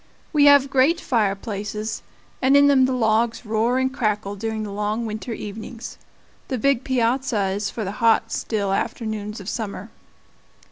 We have great fireplaces, and in them the logs roar and crackle during the long winter evenings. The big piazza is for the hot, still afternoons of summer.